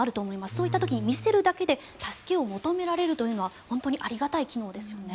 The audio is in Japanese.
そういった時に、見せるだけで助けを求められるというのは本当にありがたい機能ですよね。